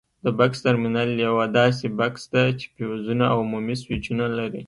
د بکس ترمینل یوه داسې بکس ده چې فیوزونه او عمومي سویچونه لري.